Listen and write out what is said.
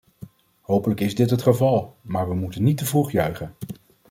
Hopelijk is dit het geval, maar we moeten niet te vroeg juichen.